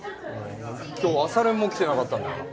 今日朝練も来てなかったんだよな